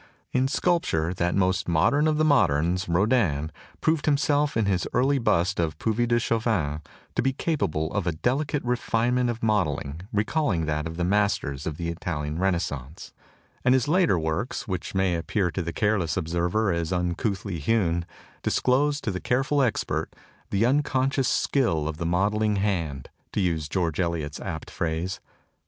In sculpture, that most modern of the moderns, Rodin, proved himself in his early bust ofTuvis de Chavannes to be capable of a delicate refinement of modelling 15 THE TOCSIN OF REVOLT recalling that of the masters of the Italian Renas cence; and his later works, which may appear to the careless observer as tmcouthly hewn, dis close to the careful expert "the unconscious skill of the modelling hand" to use George Eliot's apt phrase.